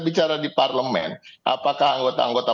bicara di parlemen apakah anggota anggota